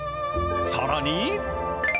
さらに。